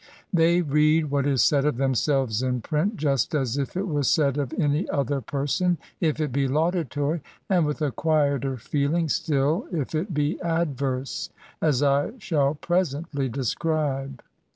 They read what is said of themselves in print just as if it was said of any other person, if it be laudatory ; and with a quieter feeling 9till if it be adverse, as I shall presently describe.